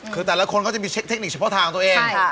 คือแต่ละคนก็จะมีเทคนิคเฉพาะทางของตัวเอง